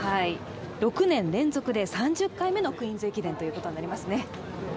６年連続で３０回目の「クイーンズ駅伝」ということになりますね。